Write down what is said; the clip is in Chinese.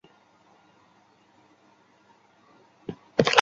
室町幕府的将军为足利义满。